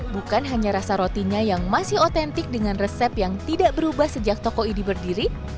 bukan hanya rasa rotinya yang masih otentik dengan resep yang tidak berubah sejak toko ini berdiri